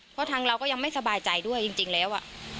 เพราะทางเราก็ยังไม่สบายใจด้วยจริงแล้ว